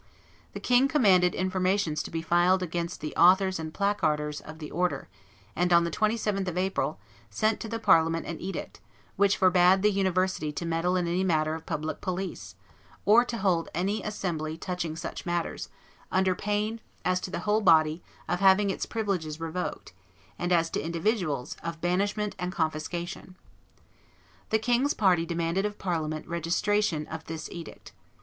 The king commanded informations to be filed against the authors and placarders of the order, and, on the 27th of April, sent to the Parliament an edict, which forbade the University to meddle in any matter of public police, or to hold any assembly touching such matters, under pain, as to the whole body, of having its privileges revoked, and, as to individuals, of banishment and confiscation. The king's party demanded of Parliament registration of this edict.